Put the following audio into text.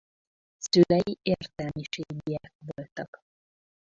Szülei értelmiségiek voltak.